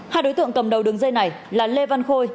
hai đối tượng cầm đầu đường dây này là lê văn khôi